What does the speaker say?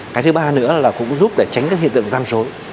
cái thứ ba nữa là cũng giúp để tránh các hiện tượng gian dối